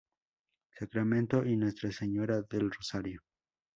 Sacramento y Nuestra Señora del Rosario.